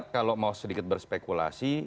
kalau mau sedikit berspekulasi